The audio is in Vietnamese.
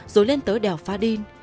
rồi lên tới đèo phá đin